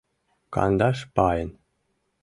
— Кандаш пайын.